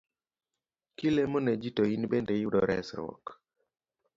Kilemo ne ji to in bende iyudo resruok